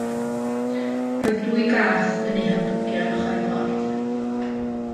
Roedd dwy gath yn ei hambygio ar ochr y ffordd.